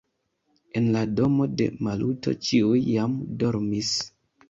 En la domo de Maluto ĉiuj jam dormis.